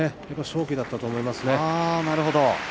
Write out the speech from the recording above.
それが勝機だったと思います。